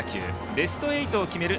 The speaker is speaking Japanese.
ベスト８を決める